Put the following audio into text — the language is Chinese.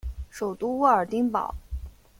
首府沃尔丁堡。